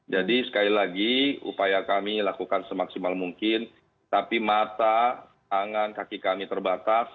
jadi sekali lagi upaya kami lakukan semaksimal mungkin tapi mata tangan kaki kami terbatas